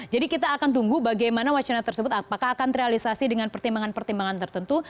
jadi kita akan tunggu bagaimana wacana tersebut apakah akan terrealisasi dengan pertimbangan pertimbangan tertentu